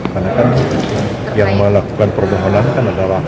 karena kan yang melakukan permohonan kan adalah